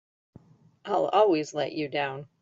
I'll always let you down!